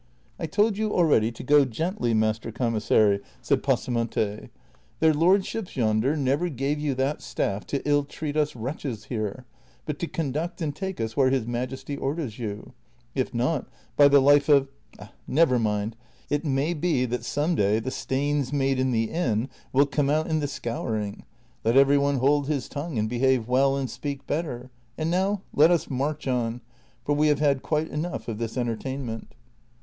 " I told you already to go gently, master commissary," said Pasamonte ;" their lordships yonder never gave you that staff to ill treat us wretches here, but to conduct and take us where his majesty orders you ; if not, by the life of — never mind —; it may be that some day the stains made in the inn will come out in the scouring ;^ let every one hold his tongue and behave Avell and speak better ; and now let us march on, for we have had quite enough of this entertainment."